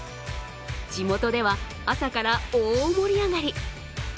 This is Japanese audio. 地元では朝から大盛り上がり。